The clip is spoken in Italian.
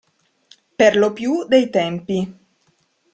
Per lo più dei tempi.